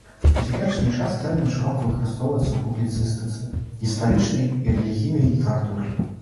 У цяперашні час тэрмін шырока выкарыстоўваецца ў публіцыстыцы, гістарычнай і рэлігійнай літаратуры.